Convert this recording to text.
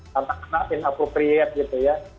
tentang in appropriate gitu ya